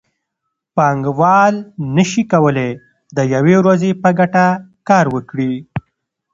پانګوال نشي کولی د یوې ورځې په ګټه کار وکړي